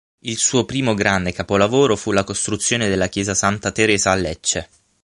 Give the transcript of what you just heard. Il suo primo grande capolavoro fu la costruzione della Chiesa Santa Teresa a Lecce.